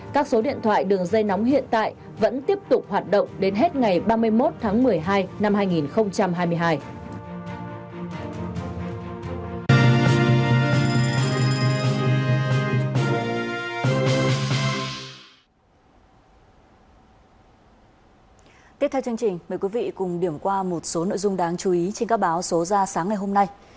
các số điện thoại đường dây nóng hiện tại vẫn tiếp tục hoạt động đến hết ngày ba mươi một tháng một mươi hai năm hai nghìn hai mươi hai